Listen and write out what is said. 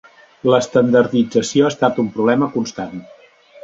L'estandardització ha estat un problema constant.